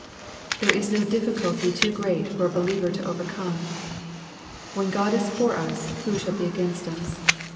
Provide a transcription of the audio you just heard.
— There is no difficulty too great for a believer to overcome. When Grod is for us who shall be against us